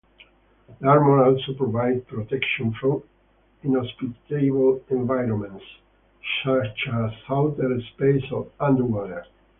The armor also provides protection from inhospitable environments such as outer space or underwater.